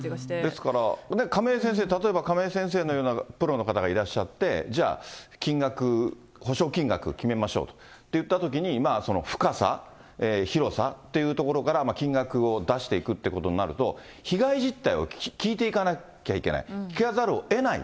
ですから亀井先生、例えば亀井先生のようなプロの方がいらっしゃって、じゃあ、金額、補償金額決めましょうといったときに、その深さ、広さっていうところから金額を出していくってことになると、被害実態を聞いていかなきゃいけない、聞かざるをえない。